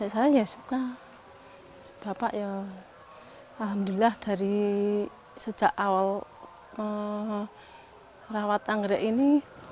saya ya suka bapak ya alhamdulillah dari sejak awal rawat anggrek ini